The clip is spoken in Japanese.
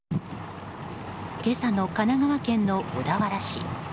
今朝の神奈川県の小田原市。